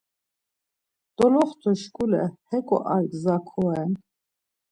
Doloxtu şkule heko ar gza koren.